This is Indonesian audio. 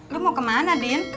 lu mau kemana din